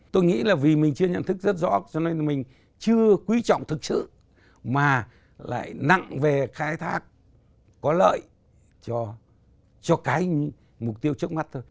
tôi nghĩ là vì mình chưa nhận thức rất rõ cho nên mình chưa quý trọng thực sự mà lại nặng về khai thác có lợi cho cái mục tiêu trước mắt thôi